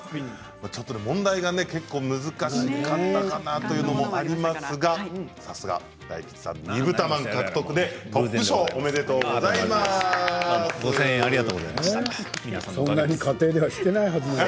ちょっと問題が結構難しかったかなというのもありますがさすが大吉さん２ぶたまん獲得でトップ賞おめでとうございます。